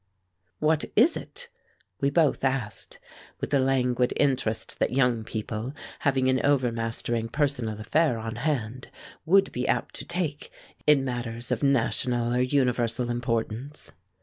"What is it?" we both asked, with the languid interest that young people, having an overmastering personal affair on hand, would be apt to take in matters of national or universal importance.